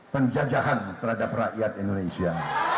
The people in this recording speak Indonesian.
penjajahan terhadap rakyat indonesia